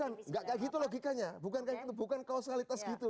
bukan enggak kayak gitu logikanya bukan kayak gitu bukan kausalitas gitu